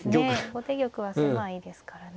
後手玉は狭いですからね。